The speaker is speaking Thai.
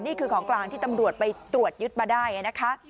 นี่คือของกลางที่ตำรวจไปตรวจยึดมาได้นะคะ